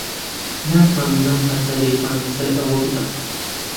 ناتوانم لەم کاتە لێدوان لەسەر ئەوە بدەم.